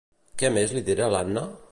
Què més lidera l'Anna?